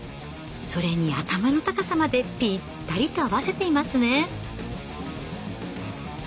それに頭の高さまでぴったりと合わせていますね。